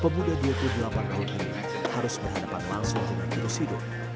pemuda dua puluh delapan tahun ini harus berhadapan langsung dengan virus hidup